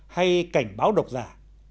hay cảnh báo độc giả